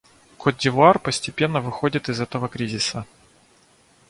Кот-д'Ивуар постепенно выходит из этого кризиса.